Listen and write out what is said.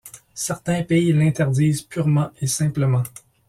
Certains pays l'interdisent purement et simplement.